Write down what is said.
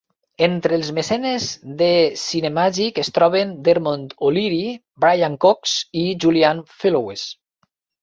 Entre els mecenes de Cinemagic es troben Dermot O'Leary, Brian Cox i Julian Fellowes.